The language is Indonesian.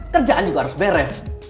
kerjaan juga harus beres